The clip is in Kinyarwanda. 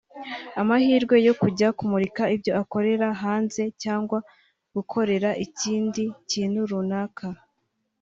amahirwe yo kujya kumurika ibyo ukora hanze cyangwa gukora ikindi kintu runaka